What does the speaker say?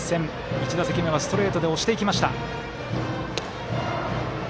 １打席目はストレートで押していきました。